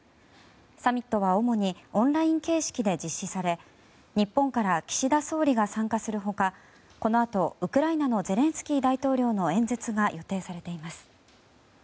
サミットは主にオンライン形式で実施され日本から岸田総理が参加する他このあとウクライナのゼレンスキー大統領の演説が予定されています。